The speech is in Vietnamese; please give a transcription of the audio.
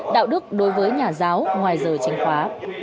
đạo đức đối với nhà giáo ngoài giờ tranh khóa